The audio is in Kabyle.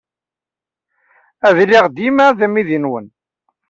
Ad iliɣ dima d amidi-nwen.